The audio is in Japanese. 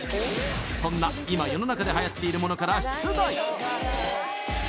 そんな今世の中ではやっているものから出題Ｈｅｙ！